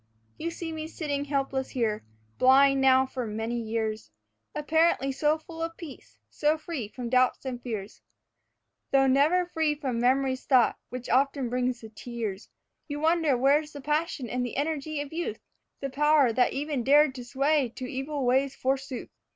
You see me sitting helpless here, blind now for many years, Apparently so full of peace, so free from doubts and fears, Though never free from Memory's thought which often brings the tears, And you wonder where's the passion and the energy of youth, The power that even dared to sway to evil ways forsooth.